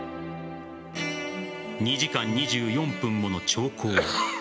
２時間２４分もの長考へ。